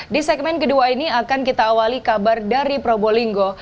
di segmen kedua ini akan kita awali kabar dari probolinggo